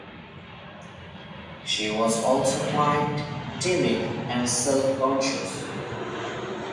She was always quiet, timid, and self-conscious.